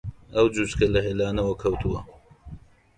ئەو جووچکە لە هێلانەوە کەوتووە